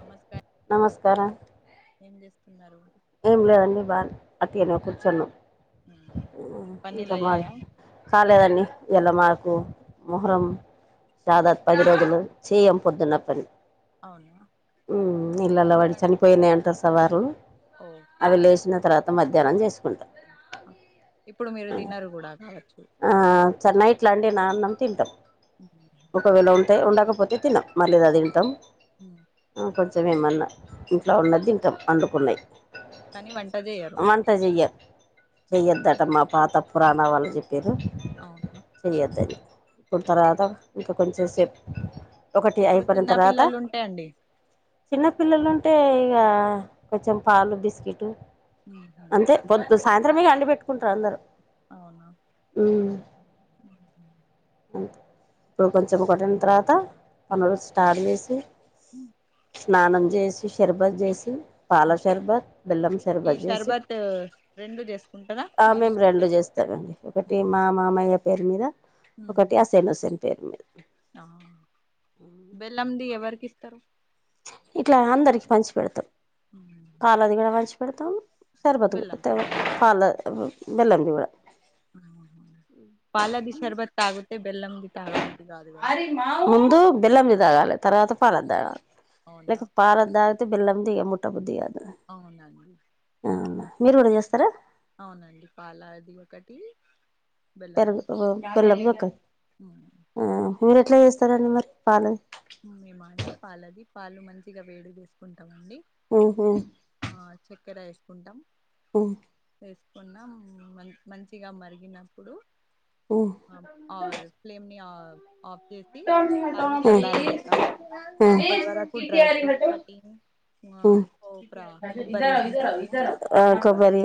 నమస్కారం నమస్కారం ఏం చేస్తున్నారు ఏం లేదండి బా అట్నే కూర్చోన్నాం పన్నీలు ఇంకా మారి అయ్యాయా కాలేదన్ని ఇయ్యాల మాకు మొహరం ఓ జాద పది రోజులు చేయం పొద్దున పని అవునా ఇలల వాడి ఎందుకండి చనిపోయినాయి అంటారు సావార్లు ఓకే అవి లేచిన తర్వాత మధ్యాహ్నం చేసుకుందాం ఇప్పుడు మీరు తినరు కూడా కావచ్చు నాన్న తింటాం ఒకవేళ ఉంటే ఉండకపోతే తినం మాలీద తింటాం ఉమ్, కొంచెం ఏమన్నా ఇంట్లో ఉన్న తింటాం అండుకున్నాయి కానీ వంట చేయరు వంట చెయ్య ఉమ్, చెయ్యొద్దట మా పాతపురాణ వాళ్ళు చెప్ప రూ అవునా చేయద్దని ఇప్పుడు ఉమ్, తర్వాత ఇంకా కొంచెంసేపు ఒకటి ఇప్పుడు అయిపోయిన చిన్న తర్వాత పిల్లలు ఉంటాయండి చిన్న పిల్లలు ఉంటే ఇక కొంచెం పాలు బిస్కెట్ ఉ అంతే పొద్దు సాయంత్రమే అండి పెట్టుకుంటారు అందరు అవునా ఉమ్ ఉమ్హు, అ ఇప్పుడు కొంచెం కొట్టిన తర్వాత పనులు ఉమ్, స్టార్ చేసి ఉమ్. స్నానం చేసి షర్బత్ చేసి పాల షర్బత్ బెల్లం షర్బత్ చేసి రెండు చేసుకుంటారా ఆ మీరు మేము ఇంకా రెండు చేస్తామండి ఒకటి మా మామయ్య పేరు మీద ఉమ్హు, ఒకటి ఆసేన్ హుసేన్ పేరు మీద ఆ. కిస్తారా ఇట్లా అందరికి పంచి పెడతాం ఉమ్, పాలది కూడా పంచి పెడతాం షర్బత్ బెల్లం తింటారు పిల్ల. పాలు తాగుతారు బెల్లం ది కూడా పాలది శర్బత్ తాగ్ ముందు బెల్లం ది తాగాలి తర్వాత పాలది అవునా లేక పాలక్ తాగితే బెల్లం ది మొట్టబుద్ధి కాదు అవున అవునా మీరు కూడా చేస్తారా అవునండి పాలాది ఒకటి బెల్లంది పెరుగు ఒకటి. గుల్లబు ఒక ఉమ్. ఆ మీరు ఎట్లా చేస్తారండి మరి పాలు లది మే మాండి పాలది పాలు మంచిగా వేడి వేసుకుంటా మండే ఉహు చక్కెర వేసుకుంటాం ఓహ్ పొన్నం మంచిగా మరిగినప్పుడు ఉ ఫ్లేమ్ ఆఫ్ ఫ్లేమ్ ని ఆఫ్ చేసి పాలు చల్లారే అ పడవాకు డై ఫ్రూట్స్ కాటి ఉంటది కదా ఆ హమ్ కొబ్బరి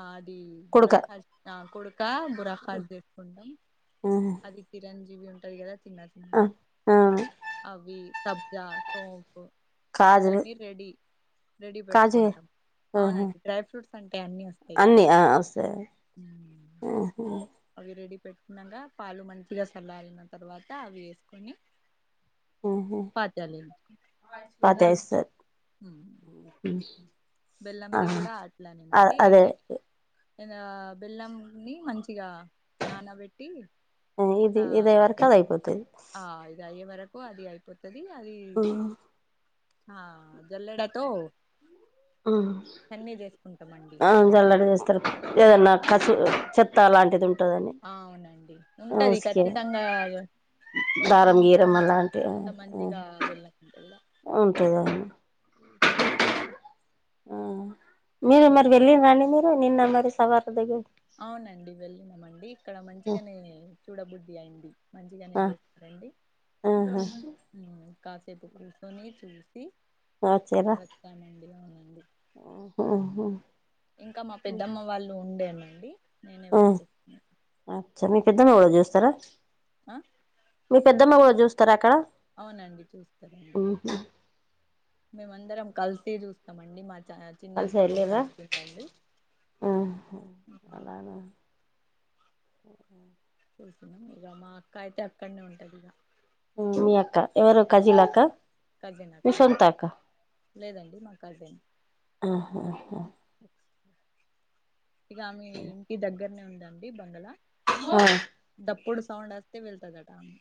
ఆ అది కుడుక బురాఖాస్ కుడుక బురాఖాజ చేసుకుంటాం అది పిర పంజీవి ఉంటంది కదా తిన్న తిన్నది ఆ ఆ అవి సబ్జా సోపు కాజు ఇవన్నీ రెడీ రెడీ కాజు పెట్టుకుంటాం ఆహా అవునండి డ్రై ఫ్రూట్స్ అంటే అన్నీ వస్తాయి కదా! అన్నీ ఒక్కసారి ఆహా పెట్టినగా పాలు మంచిగా చల్లాలిన తర్వాత అవి వేసుకొని ఆహా పాతాల స బెల్లంది కూడా అట్లానేనండి అదే ఏదై ఏదైనా బెల్లంన్ని మంచిగా నానా పెట్టి ఇది ఇది అయ్యే వరకు అది అయిపోతది ఆ ఇది అయ్యేవరకు అది అయిపోతుది అది ఉమ్ ఆ జల్లెడతో చన్ని చేసుకుంటామండి. అ జల్లెడ చేసుకో తర్త ఏదన్నా కసు చెత్త లాంటిది ఉంటుంది అవునండి ఉంటది ఖచ్చితంగా కొంచెం దారం ఇంకా గీరం ఉంటాయి అలాంటి ఎంత మంచిగా బిళ్ళకి బల ఉంటదని అ ఆ మీరు మరి వెళ్ళిన నాని మీరు నిన్న మరి సవార దగ ఉ అవునండి వెళ్ళినామండి ఇక్కడ మంచిగానే చూడబుద్ధ అయింది మంచిగానే ఆహా చేూస్తారండి ఆహా కాసేపు కూర్చొని చూస్త వచ్చిర్రా వస్తానండి అవునండి ఆహ ఇంకా మా పెద్దమ్మ వాళ్ళు ఉండేనండి నేనే ఆ వచ్చేస్తున్నా అచ్చా మీకు పెద్దమ్మ కూడాచూస్తారా ఆ మీ పెద్దమ్మ కూడా చూస్తారుా అక్కడ అవునండి చూస్తారండి మేమందరం కలిసి చూస్తామండి మా కలిసి చిన్నత్తమ్మ కూడా వెళ్ళిరా వచ్చిందండి ఆ చూస్తున్నాం ఇక మా అక్క అయితే అక్కడనే ఉంటది ఇక మీ అక్క ఎవరు కజిల్ అక్క కజిన్ మీ అక్కనే సొంత అక్క లేదండి మా కాజేని ఇక మీ ఇంటి దగ్గరనే ఉందండి బంగళ హా ఎప్పుడు సౌండ్ వస్తే వెళ్తాదంట ఆమె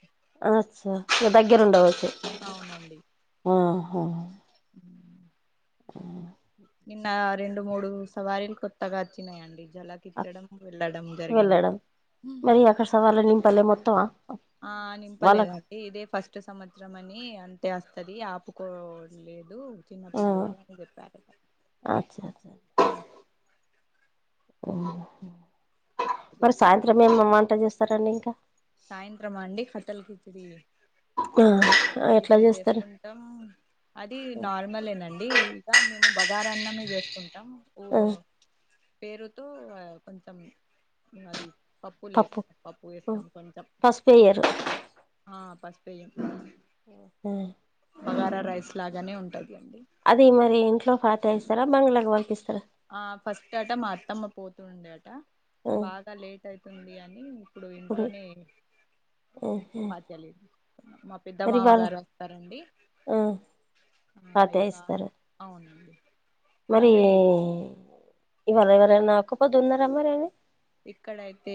అచ్చ ఇకా దగ్గర ఉండవచ్చు అవునండి ఆహా నిన్న రెండు మూడు సవారీలు కొత్తగా వచ్చినాయంండి జలా తీర్చడం వెళ్ళడం జరిగింది వెళ్ళడం మరి అక్కడ సవాళ్ళ నింపలే మొత్తమా ఆ వాళ్ళకు నింపలేఅండి ఇదే ఫస్ట్ సంవత్సరం అని అంతే అది ఆపుకోలేదు చిన్న పిలోడు అని చెప్పారు అచ్చ అచ్చ హ్మ్ ఓహో మరి సాయంత్రం ఏం వంట చేస్తారండి ఇంకా సాయంత్రమా అండి హోటల్ కీచిడి ఆ హోటల్ కిచిడి చేసుకుంటాం అది నార్మలేనండి ఇక మేము బగారా అన్నం మీదవేసుకుంటాం ఓ ఆ పేరుతో కొంచెం అది పప్పు లే వేస్ పప్పు వేస్తాం కొంచం పసుపు వేయ్యరు ఆ పశుపేయం హ బగారా రైస్ లాగానే ఉంటాది అది మరి ఇంట్లో పాత ఇస్తారా బంగ్ళకి పంపిస్తారా ఆ ఫస్ట్ ఆట మా అత్తమ్మ పోతుూండే అట ఆ బాగా లేట్ అయితుంది అని ఇప్పుడు ఇంట్లోనే ఆహా పాచలే మా పెద్ద మరి ఇవాళ మామగారు వస్తారండి ఆ ఆ ఫాతిహ ఇకా ఇస్తారు అవునండి మరి ఇవాళ ఎవరైనా ఆకపోద్దు ఉన్నారా మరేని ఇక్కడయితే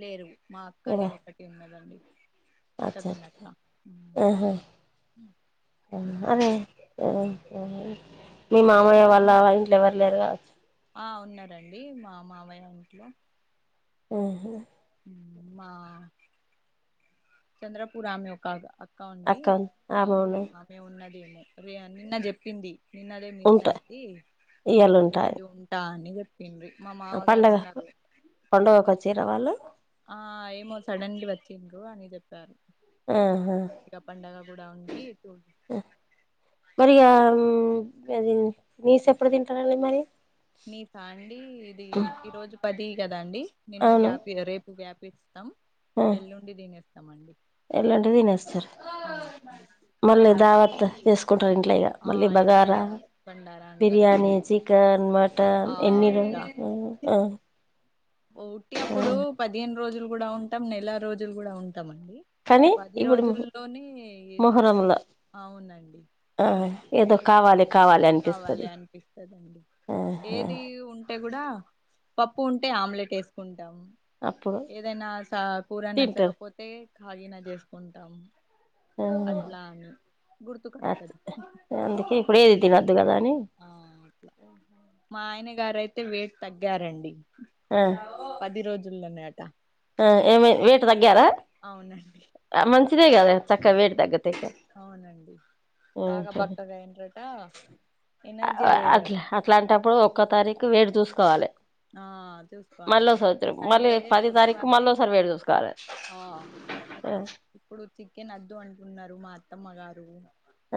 లేరు మా అక్కని ఇవా ఒకటి ఉన్నదండి అచ్చ కద నాప్ప హ్మ్ అవునుమరి అ అ మీ మామయ్య నేను వాళ్ళ ఇంట్లో ఎవరు లేరు కావచ్చు రండి మా మావయ్య ఇంట్లో ఆహా మా చంద్రపురా యామినిక్కలిది క్కండి అక్క ఉంది ఆమె ఉన్నది ఆ మేము ఉన్నదేమో రే నిన్న చెప్పింది నిన్న అదే మిస్ ఉంటా అయింది ఈ రోజు ఉంటా ని పండుగ పండగకొచ్చిరా వాళ్ళు ఆ ఏమో సడన్లీ వచ్చిండ్ర అని చెప్పారు ఆహా ఇక పండగ కూడా ఉంది చూ మరి అది నిశి ఎప్పుడు తింటరండి మరి నిశా అండి ఇది ఈ రోజు పది కదాండి నిన్న అవును గ్యాప్ రేపు గ్యాప్స్త స్తాం ఎల్లుండి దీనేస్తామండి ఎల్లుండి దినస్తారు అవునండి మళ్ళీ దావత్ వేస్ టారు ఇంట్లో ఇగ ఆ మళ్ళీ ఇంట్ల బగారా దావత్ బండారా అంటారు బిర్యానీ చికెన్ మటన్ ఆ ఎన్ని ర ఇక ఆ అ ఉట్టి అప్పుడు పదిహేను రోజులు కూడా ఉంటాం నెల రోజులు కూడా ఉం టమండి ఈ కానీ పది ఇప్పుడు రోజుల్లోనే ఏదో మొహరంలో అవునండి ఆ ఏదో కావాలి కావాలి కావాలి అనిపిస్తది అనిపిస్తదండీ ఆహా ఏది ఉంటే కూడా పప్పు ఉంటే ఆమ్లెట్ వేసుకుంట అప్పుడు ఏదైనా కూర తింటారు నచ్చకపోతే కాళీనా చేసుకుంటాము అట్లా అని ఆ గుర్తుకొస్తుది అందుకే ఏది తినొద్దు కదా అని గారైతే వేట్ తగ్గారండి ఆ పది రోజుల్లోనేట ఏమ వేటు తగ్గారా అవునండి మంచిదే కదా చక్కగా వేటు తగ్గ అవునండి బాగా ఆహా బక్కగా అయ్యేదట అట్లా అట్లాంటప్పుడు ఒక్క తారీఖు వెయిట్ చూసుకోవాలి ఆ చూసుకోవాలి మళ్ళీ సంవత్సరం మళ్ళీ సండే పది తారీఖు పొద్దుగాల మళ్ళీసారి వేడి చూసుకోవాలి ఇప్పుడు చికెన్ వద్దు అంటున్నారు మా అత్తమ్మ గారు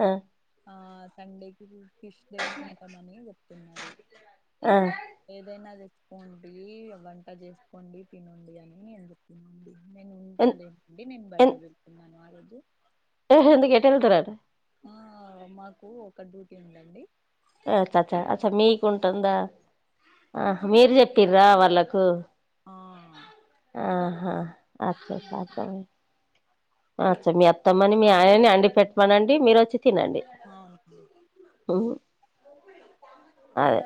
ఆ ఆ సండేకి కిష్ తెసుుకుంటామని చెప్తున్నారు నా తెసుకోండి వంట చేసుకోండి తినండి అని ఎందుకు తినండి నేను ఉంటలేమండి నేను ఎ బయట వెళ్తున్నాను ఆ రోజు ఎందుకు ఎటు వెళ్తున్నారు ఆ మాకు ఒక డ్యూటీ ఉందండి చ్చ అచ్చ మీకు ఉంటుందా ఆ మీరు చెప్ప్రా వాళ్ళకు ఆ ఆహా అచచ్చ అర్థమైంది అచ్చ మీ అత్తమ్మని మీ ఆయని అండి పెట్టమనండి మీరు వచ్చి తినండి అవును అదే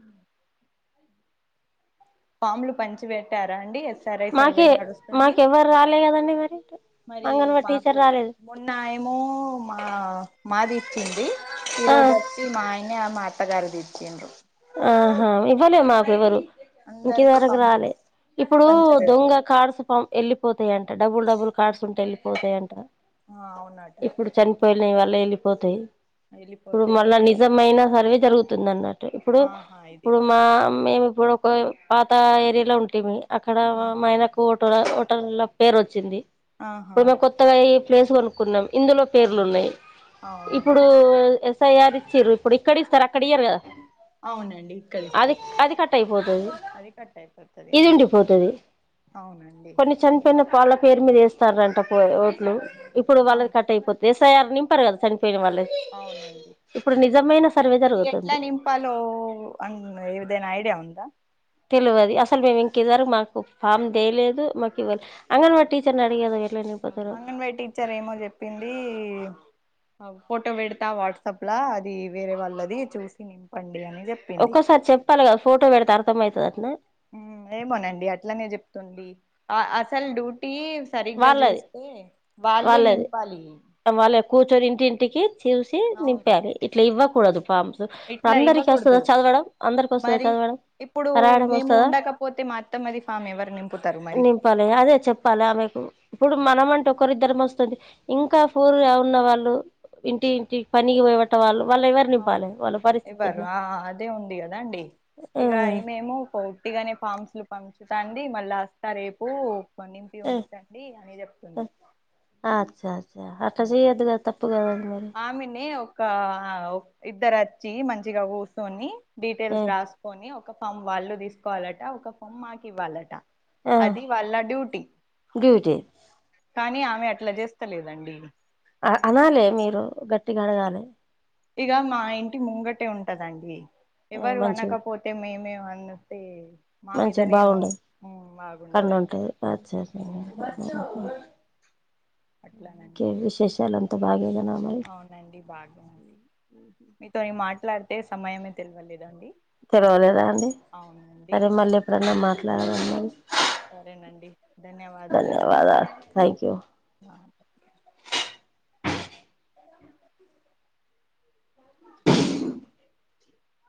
అ పాములు పంచి పెట్టారా అండి ఎస్ఆర్ఐ సర్వే మాకే నడుస్తుంది మాకెవ్వరు రాలే కదండి మరి మరి అంగన్వాడి మాకు టీచర్ రాలేదు మన్నాయమో మా మాది ఇచ్చింది ఆ ఈరోజు వచ్చి మా ఆయన్ని మా అత్తగారిని ఇచ్చిండు ఆహా ఇవ్వలే మాకు ఎవరు ఇంక అందరికి దరకు పం రాలే ఇప్పుడు దొంగ పంచబెడతాను కాడస పం వెళ్ళిపోతు డబుల్ డబుల్ కార్డ్స్ ఉంటే వెళ్ళిపోతాయంట ఆ అవునట ఇప్పుడు చనిపోయి వాళ్ళ వెళ్ళిపోతాయి ఇప్పుడు వెళ్ళిపోతాయా మళ్ళ నిజమయిైన సర్వే జరుగుతుంది అన్నట్టు ఇప్పుడు ఆహా ఇది ఇప్పుడు మా మేము ఇప్పుడు ఒక పాత ఏరియాలో ఉంటే అక్కడ ఆహా మాయనకు ఓట ఓటర్ల పేరు వచ్చింది ఆహా ఇప్పుడు మేము కొత్తగా ప్లేస్ కొనుక్కున్నాం ఇందులో పేర్లు అవును ఉన్నాయి అవును ఇప్పుడు ఎస్ తయారచ్చరు ఇప్పుడు ఇక్కడ ఇస్తారు అక్కడయారు కదా అవునండి ఇక్కడ అది ఇస్తారు అది కట్ అయిపోతది అది కట్ అయిపోడుతుంది ఇది అవునండి. ఉండిపోతది అవునండి. కొన్ని చనిపోయిన వాళ్ళ పేరు మీద వేస్తారంట పో ఓట్లు ఇప్పుడు వాళ్ళది అవును కట్ అయిపోతంది ఎస్ఐర్ నింపారు కదా. పోయిన వాళ్ళ అవునండి ఇప్పుడు నిజమైన సర్వే జరుగుతుంది. అం ఇవదేన్ ఐడియా ఉందా. తెలియది అసలు మేము ఇంక ఇద్దరు మాకు ఫామ్ చేేయలేదు మాకు ఇవ్వలే అంగన్వాడి టీచర్ని అడిగే కదా వెళ్ళిన. అంగన్వాడి టీచ్చర్ ఏమో చెప్పింది. ఫోటో పెడతా వాట్సాప్ అది వేరే వాళ్ళది చూసి నింపండి. అని చెప్పింది ఒక్కోసారి చెప్పాలి కదా ఫోటో పెడితే అర్థమవుతుంది అట్న. ఏమోనండి అట్లనే చెప్తుంది అసలు డ్యూ టీ సరిగ్గా వాళ్ళది చూస్తే వాళ్ళే వాళ్ళది నింపాలి వాళ్ళ కూర్చొని ఇంటింటికి చూసి అవును నింపాలి ఇట్లా ఇవ్వకూడదు ఫామ్సు ఇప్పుడు ఇట్లా అందరికీ వస్తుందో ఇవ్వకూడదు చదవడం అందరిక వస్తుందో మరి చదవడం ఇప్పుడు రాయడం మేము వస్తుందా ఉండకపోతే మా అత్తమ్మది ఫామ్ ఎవరు నింపుతారు మరి నింపాలి అదే చెప్పాలి ఆమెకి ఇప్పుడు మనం అంటే ఒకరిద్దరం వస్తుంది ఇంకా ఫూర్ గా ఉన్నవాళ్ళు ఇంటి ఇంటికి పనికి పోయట వాళ్ళు వాళ్ళు ఎవరిని నింపాలి వాళ్ళు ఇవ్వరు ఆ అదే ఉంది కదా అండి ఇగ మేము పట్టిగానే పామ్స్ పంచుతా అండి మళ్ళీ వస్తా రేపు నింపి ఉంచండి అని చెప్తుంది చా అట్టా చెయ్యద్దుగా తప్పుగాద అది మరి ఆమెనే ఒక ఇద్దరు వచ్చి మంచిగా కూర్చొని ఆ డీటెయిల్స్ రాసుకొని ఒక ఫామ్ వాళ్ళు తీసుకోవాలాటా ఒక ఫామ్ మాకు ఇవ్వాలాటా ఆ అది వాళ్ల డ్యూటీ డ్యూటీ కానీ ఆమె అట్లా చేస్త లేదండి అనాలే మీరు గట్టిగా అడగాలి ఇక మా ఇంటి ముంగటే ఉంటాదండి ఎవరు మంచి అనకపోతే మేమే అంటే మంచిగా బాగుండదు కన్ను బాగుండదండి ఉంటాది ఉమ్ ఇంకే అట్లానండి విశేషాలు అంత బాగేనా మరి అవునండి బాగానండి మీతో మాట్లాడితే సమయమే తెల్వ లేదండి తెలవలేదా అండి సరే మళ్ళీ ఎప్పుడన్నా సరే మాట్లాడుదాం అండి సరేనండి ధన్యవాదాలండి ధన్యవాదాలు హా చు చ్. [unintelligible]